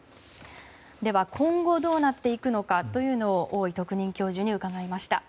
では、今後どうなっていくのかというのを大井特任教授に聞きました。